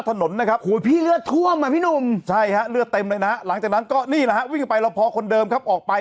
ยังไงยังไงยังไงยังไงยังไงยังไงยังไงยังไงยังไงยังไง